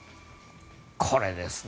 これですね。